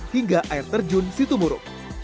hingga air terjun situmuru